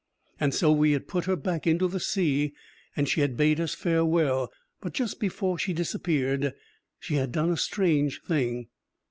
And so we had put her back into the sea, and she had bade us farewell. But just before she disappeared, she had done a strange thing.